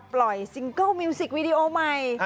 ซิงเกิลมิวสิกวีดีโอใหม่